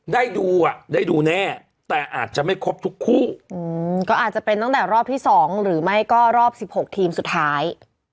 ได้ดูอ่ะได้ดูแน่แต่อาจจะไม่ครบทุกคู่ก็อาจจะเป็นตั้งแต่รอบที่๒หรือไม่ก็รอบ๑๖ทีมสุดท้าย